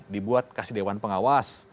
dibuat kasih dewan pengawas